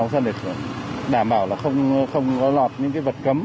cũng như các đoàn đi vào sân để đảm bảo không lọt những vật cấm